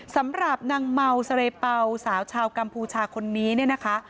สำหรับนางเมาเสรเปล่าสาวชาวกัมพูชาคนนี้เนี่ยนะคะ